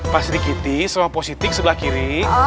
pak sri kiti sama positing sebelah kiri